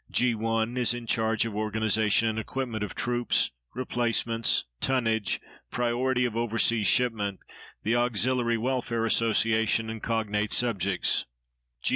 G. 1 is in charge of organization and equipment of troops, replacements, tonnage, priority of overseas shipment, the auxiliary welfare association, and cognate subjects; G.